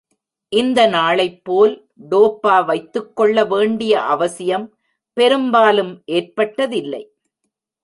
இந்த நாளைப்போல் டோப்பா வைத்துக் கொள்ள வேண்டிய அவசியம் பெரும்பாலும் ஏற்பட்டதில்லை.